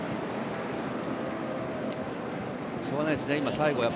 しょうがないですね、今、最後。